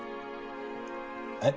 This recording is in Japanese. えっ？